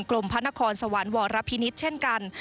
ลมพระนครสวรรค์วรพินิษฐ์เช่นกัน